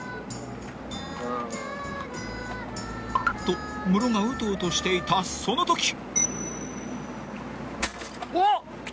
［とムロがうとうとしていたそのとき］